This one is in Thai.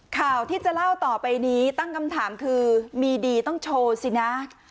ข่าวที่จะเล่าต่อไปนี้ตั้งคำถามคือมีดีต้องโชว์สินะ